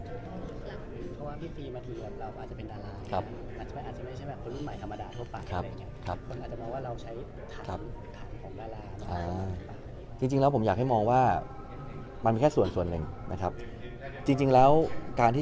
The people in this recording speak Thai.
เพราะว่าพี่ฟรีมาทีเราอาจจะเป็นดาราอาจจะเป็นคนรุ่นใหม่ธรรมดาโทษฟังอะไรอย่างนี้